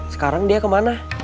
sekarang dia kemana